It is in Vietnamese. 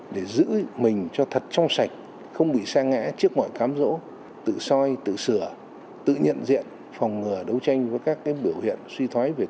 để giữ mình cho thật trong sạch không bị sa ngã trước mọi cám rỗ tự soi tự sửa tự nhận diện phòng ngừa đấu tranh với các biểu hiện suy thoái về tư